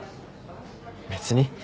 別に。